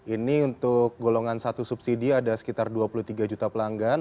ini untuk golongan satu subsidi ada sekitar dua puluh tiga juta pelanggan